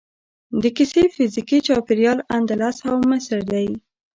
د کیسې فزیکي چاپیریال اندلس او مصر دی.